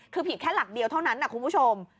คือผิดแค่หลักเดียวเท่านั้นนะคุณผู้ชม